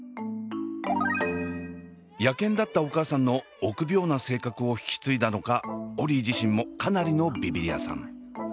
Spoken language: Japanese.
野犬だったお母さんの臆病な性格を引き継いだのかオリィ自身もかなりのビビリ屋さん。